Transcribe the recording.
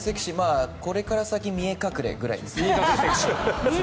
これから先見え隠れぐらいですね。